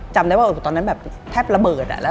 จำได้ว่าตอนนั้นแทบระเบิดอ่ะ